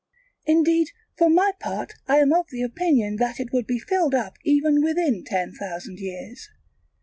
indeed for my part I am of the opinion that it would be filled up even within ten thousand years.